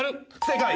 正解。